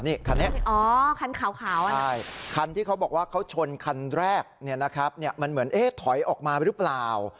นี่คันนี้อ๋อคันขาวคันที่เขาบอกว่าเขาชนคันแรกมันเหมือนถอยออกมาหรือเปล่า